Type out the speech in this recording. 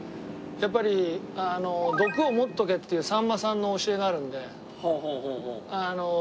やっぱり「毒を持っとけ」っていうさんまさんの教えがあるんで。